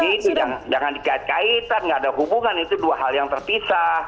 itu jangan dikait kaitan nggak ada hubungan itu dua hal yang terpisah